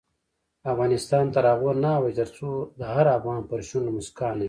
افغانستان تر هغو نه ابادیږي، ترڅو د هر افغان پر شونډو مسکا نه وي.